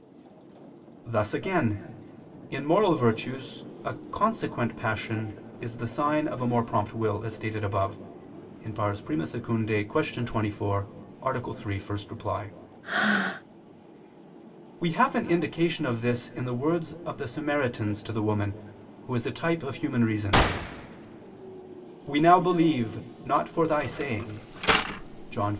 Thus again, in moral virtues a consequent passion is the sign of a more prompt will, as stated above (I II, Q. 24, A. 3, ad 1). We have an indication of this in the words of the Samaritans to the woman, who is a type of human reason: "We now believe, not for thy saying" (John 4:42).